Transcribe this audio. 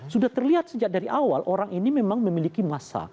sudah terlihat sejak dari awal orang ini memang memiliki masa